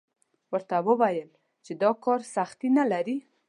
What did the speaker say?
ورته ویل یې چې دا کار سختي نه لري.